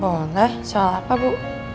boleh soal apa bu